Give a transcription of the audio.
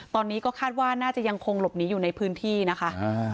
ตอนนี้ก็คาดว่าน่าจะยังคงหลบหนีอยู่ในพื้นที่นะคะ